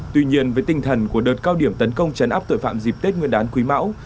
tuy nhiên với tinh thần của đợt cao điểm tấn công chấn áp tội phạm dịp tết nguyên đán quý mão